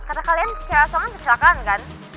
kata kalian si cewek asongan kesilakan kan